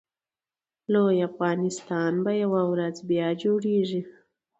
لوی افغانستان به یوه ورځ بیا جوړېږي